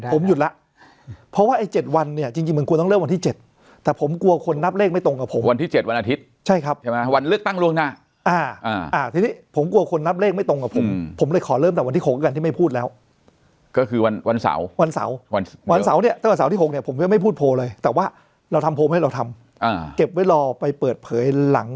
ผมหยุดละเพราะว่า๗วันเนี่ยจริงมันกวนต้องเริ่มวันที่๗แต่ผมกลัวคนนับเลขไม่ตรงกับผมวันที่๗วันอาทิตย์ใช่ครับวันเลือกตั้งล่วงหน้าผมกลัวคนนับเลขไม่ตรงกับผมผมเลยขอเริ่มแต่วันที่๖กันที่ไม่พูดแล้วก็คือวันสาววัน